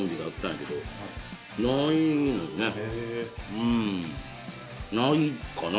うんないかな